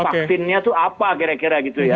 vaksinnya itu apa kira kira gitu ya